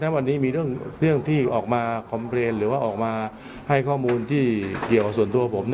วันนี้มีเรื่องที่ออกมาคอมเพลนหรือว่าออกมาให้ข้อมูลที่เกี่ยวกับส่วนตัวผม